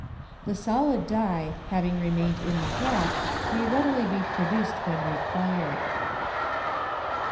The solid die, having remained in the hat, may readily be produced when required.